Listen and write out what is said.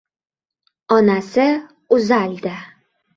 Onasi uzaldi.